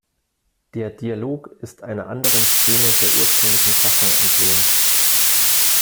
Der Dialog ist einer anderen Szene der ursprünglichen Fassung entlehnt.